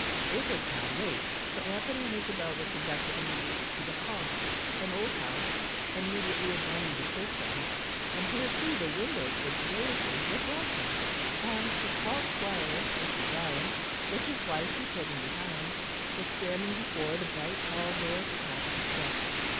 It was now late, so Anthony and Isabel were conducted immediately to the Hall, an old house immediately adjoining the churchyard; and here, too, the windows were blazing with welcome, and the tall squire, Mr. Brian, with his wife and children behind, was standing before the bright hall door at the top of the steps.